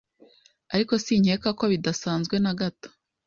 Ariko sinkeka ko bidasanzwe na gato.